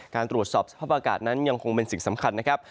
ตรวจสอบสภาพอากาศนั้นยังคงเป็นสิ่งสำคัญนะครับ